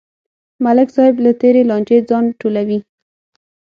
ملک صاحب له تېرې لانجې ځان ټولوي.